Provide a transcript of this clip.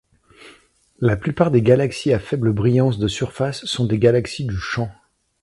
La plupart des galaxies à faible brillance de surface sont des galaxies du champ.